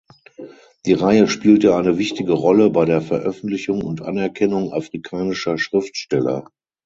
Die Reihe spielte eine wichtige Rolle bei der Veröffentlichung und Anerkennung afrikanischer Schriftsteller.